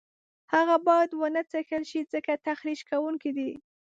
هغه باید ونه څکل شي ځکه تخریش کوونکي دي.